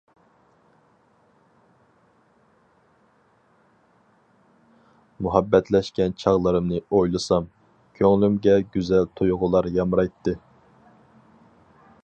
مۇھەببەتلەشكەن چاغلىرىمنى ئويلىسام، كۆڭلۈمگە گۈزەل تۇيغۇلار يامرايتتى.